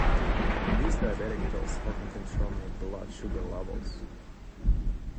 These diabetic pills help me control my blood sugar levels.